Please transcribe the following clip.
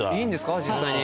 実際に。